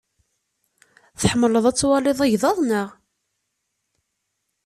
Tḥemmleḍ ad twaliḍ igḍaḍ, naɣ?